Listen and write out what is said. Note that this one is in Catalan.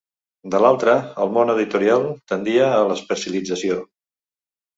De l'altra, el món editorial tendia a l'especialització.